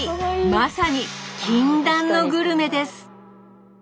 まさに禁断のグルメです！